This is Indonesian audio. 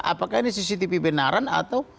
apakah ini cctv benaran atau